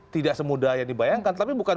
tidak semudah yang dibayangkan tapi bukan